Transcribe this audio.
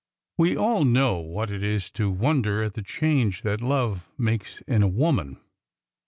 We all know what it is to wonder at the change that love makes in a woman.